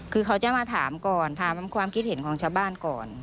คือเขาจะมาถามก่อนถามความคิดเห็นของชาวบ้านก่อน